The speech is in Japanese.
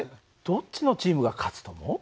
どっちのチームが勝つと思う？